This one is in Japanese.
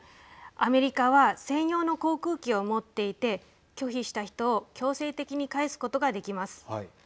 アメリカは専用の航空機を持っていて拒否した人を強制的に帰すことができます。